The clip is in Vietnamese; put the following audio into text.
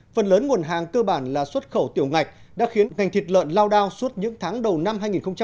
phần lớn nguồn hàng cơ bản là xuất khẩu tiểu ngạch đã khiến ngành thịt lợn lao đao suốt những tháng đầu năm hai nghìn hai mươi